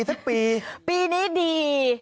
สักปีปีนี้ดี